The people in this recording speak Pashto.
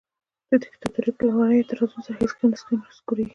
دیکتاتوري په لومړنیو اعتراضونو سره هیڅکله نه نسکوریږي.